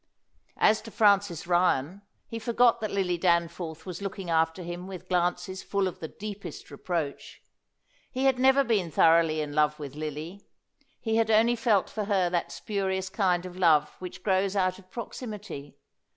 As to Francis Ryan, he forgot that Lily Danforth was looking after him with glances full of the deepest reproach. He had never been thoroughly in love with Lily; he had only felt for her that spurious kind of love which grows out of proximity.